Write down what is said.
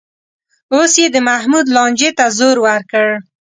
اوس یې د محمود لانجې ته زور ورکړ